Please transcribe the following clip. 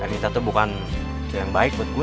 herenita itu bukan yang baik buat gua